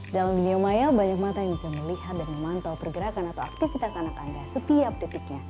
dalam dunia maya banyak mata yang bisa melihat dan memantau pergerakan atau aktivitas anak anda setiap detiknya